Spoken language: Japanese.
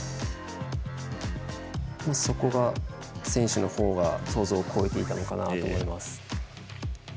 そこが、選手の方が想像を超えていたのかなと思います。